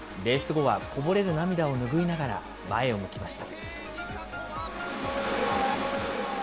レース後はこぼれる涙を拭いながら前を向きました。